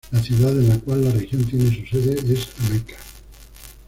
La ciudad en la cual la región tiene su sede es Ameca.